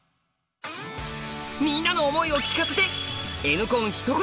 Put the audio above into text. みんなの思いを聞かせて！